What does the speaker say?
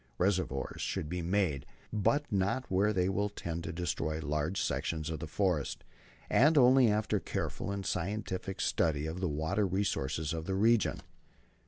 Reservoirs should be made, but not where they will tend to destroy large sections of the forest, and only after a careful and scientific study of the water resources of the region.